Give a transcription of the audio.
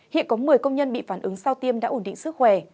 hiện có một mươi công nhân bị phản ứng sau tiêm đã ổn định sức khỏe